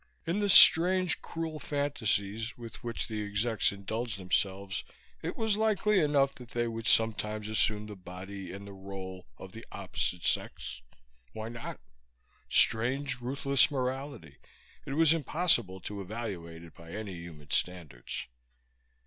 In the strange, cruel fantasies with which the Execs indulged themselves it was likely enough that they would sometimes assume the body, and the role, of the opposite sex. Why not? Strange, ruthless morality; it was impossible to evaluate it by any human standards.